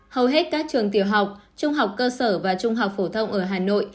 hầu hết các trường tiểu học trung học cơ sở và trung học phổ thông ở hà nội